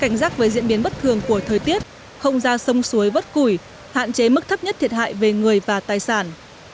cảnh giác với diễn biến bất thường của thời tiết không ra sông suối vất củi hạn chế mức thấp nhất thiệt hại về người và tài sản